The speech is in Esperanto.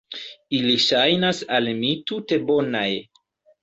Ili ŝajnas al mi tute bonaj.